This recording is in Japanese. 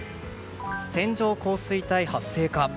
線状降水帯、発生か。